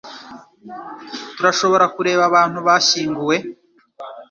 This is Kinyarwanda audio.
Turashobora kureba abantu bashyinguwe